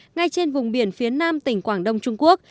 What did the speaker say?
ngay trên vùng biển phía nam tỉnh quảng đông trung quốc